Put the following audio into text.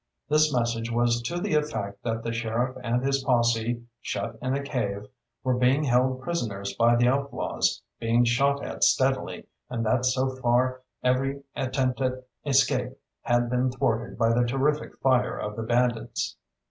This message was to the effect that the sheriff and his posse, shut in a cave, were being held prisoners by the outlaws, being shot at steadily, and that so far every attempt at escape had been thwarted by the terrific fire of the bandits.